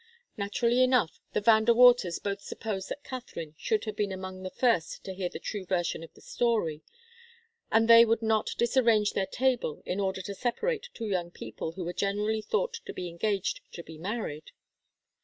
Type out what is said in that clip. Naturally enough, the Van De Waters both supposed that Katharine should have been among the first to hear the true version of the story, and they would not disarrange their table in order to separate two young people who were generally thought to be engaged to be married.